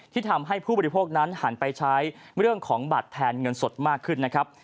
ทำให้ผู้บริโภคนั้นหันไปใช้เรื่องของบัตรแทนเงินสดมากขึ้นนะครับ